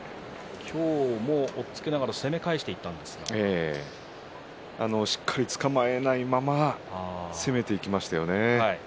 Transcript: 今日も押っつけながら攻め返していったんですがしっかりつかまえないまま、攻めていきましたよね。